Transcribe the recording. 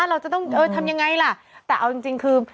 เราจะต้องเออทำยังไงล่ะแต่เอาจริงคือ